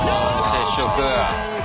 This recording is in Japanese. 接触。